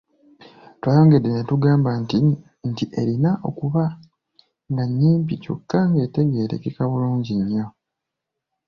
Twayongedde ne tugamba nti erina okuba nga nnyimpi kyokka ng'etegeerekeka bulungi nnyo.